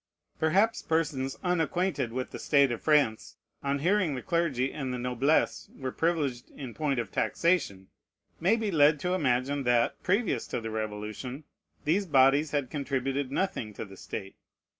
Perhaps persons unacquainted with the state of France, on hearing the clergy and the noblesse were privileged in point of taxation, may be led to imagine, that, previous to the Revolution, these bodies had contributed nothing to the state.